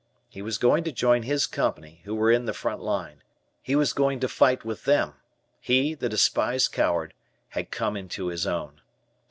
He was going to join his Company who were in the front line. He was going to fight with them. He, the despised coward, had come into his own.